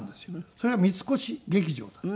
それが三越劇場だった。